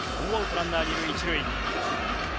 ランナー２塁１塁。